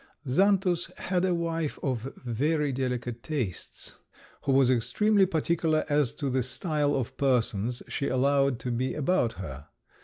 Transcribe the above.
Xantus had a wife of very delicate tastes, who was extremely particular as to the style of persons she allowed to be about her.